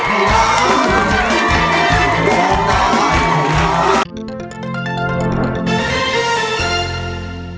โปรดติดตามตอนต่อไป